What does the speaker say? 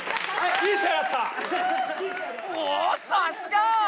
おおさすが！